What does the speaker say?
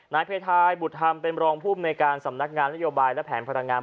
นายเพทายบุตรธรรมเป็นรองภูมิในการสำนักงานนโยบายและแผนพลังงาน